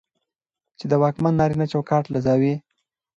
چې د واکمن نارينه چوکاټ له زاويې